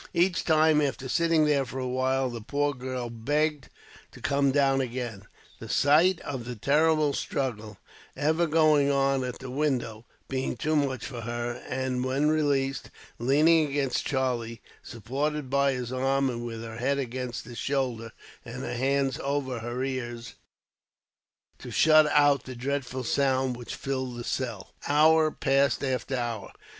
Each time, after sitting there for a while, the poor girl begged to come down again; the sight of the terrible struggle, ever going on at the window, being too much for her; and when released, leaning against Charlie, supported by his arm, with her head against his shoulder, and her hands over her ears to shut out the dreadful sounds which filled the cell. Hour passed after hour.